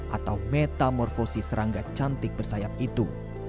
atau metamorfosi serangga cantik bersayap itu